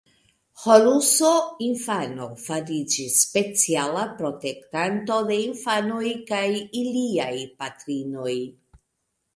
Horuso infano fariĝis speciala protektanto de infanoj kaj iliaj patrinoj.